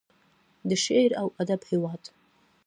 د شعر او ادب هیواد.